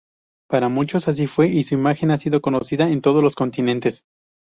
Para muchos, así fue, y su imagen ha sido conocida en todos los continentes.